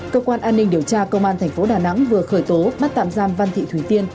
cơ quan an ninh điều tra công an thành phố đà nẵng vừa khởi tố bắt tạm giam văn thị thủy tiên